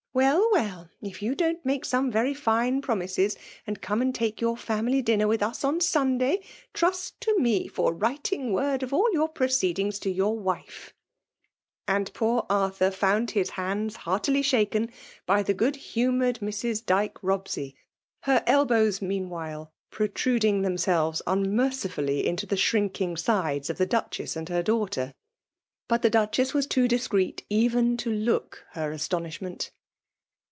Well, well !— if you don't make me some very fine promises and come and take your family dinner with us on Sunday, trust to me for writing word of all your proceedings to your wife !" And poor Arthur found his hands heartily shaken by the good humoured Mrs. Dyke Bobscy, her elbows meanwhile protrud ing themselves unmercifully into the shrinking sides of the Duchess and her daughter. But the Duchess was too discreet even to look her astonishment.